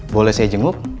boleh saya jemuk